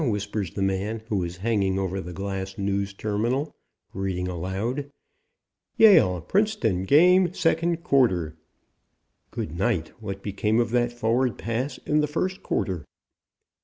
whispers the man who is hanging over the glass news terminal, reading aloud: "Yale Princeton Game Second Quarter (Good night, what became of that forward pass in the first quarter?)